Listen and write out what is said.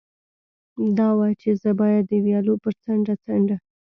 دا وه، چې زه باید د ویالو پر څنډه څنډه.